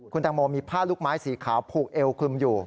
คุณแตงโมมีผ้าลูกไม้สีขาวผูกเอวคลุมอยู่